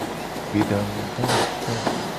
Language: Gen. Gbedangudowoto.